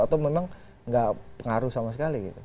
atau memang nggak pengaruh sama sekali gitu